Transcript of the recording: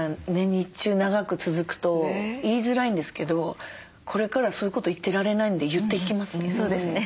日中長く続くと言いづらいんですけどこれからはそういうこと言ってられないんで言っていきますね。